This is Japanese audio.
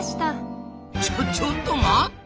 ちょちょっと待った！